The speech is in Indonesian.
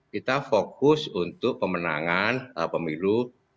kita fokus untuk pemenangan pemilu dua ribu dua puluh